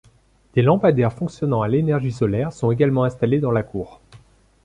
Des lampadaires fonctionnant à l'énergie solaire sont également installés dans la cour.